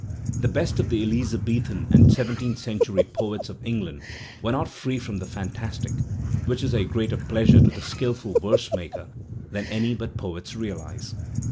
The best of the Elizabethan and seventeenth century poets of England were not free from the fantastic, which is a greater pleasure to the skilful verse maker than any but poets realize.